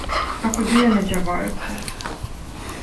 А куды яны дзяваюцца?